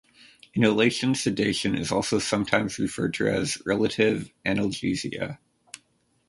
Inhalation sedation is also sometimes referred to as "relative analgesia".